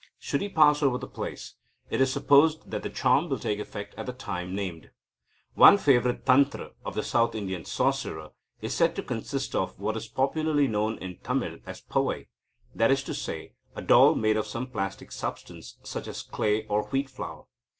Should he pass over the place, it is supposed that the charm will take effect at the time named." One favourite tantra of the South Indian sorcerer is said to consist of "what is popularly known in Tamil as pavai, that is to say, a doll made of some plastic substance, such as clay or wheat flour.